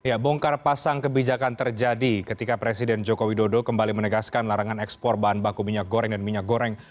ya bongkar pasang kebijakan terjadi ketika presiden joko widodo kembali menegaskan larangan ekspor bahan baku minyak goreng dan minyak goreng